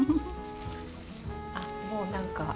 あっもう何か。